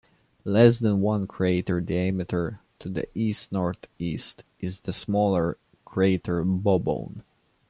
Less than one crater diameter to the east-northeast is the smaller crater Bobone.